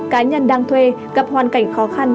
cái nhân đang thuê gặp hoàn cảnh khó khăn